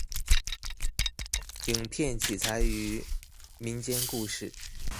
影片取材于民间故事。